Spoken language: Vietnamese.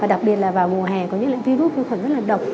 và đặc biệt là vào mùa hè có những virus khí khuẩn rất là độc